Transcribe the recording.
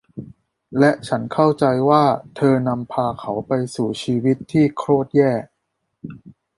และฉันเข้าใจว่าเธอนำพาเขาไปสู่ชีวิตที่โครตแย่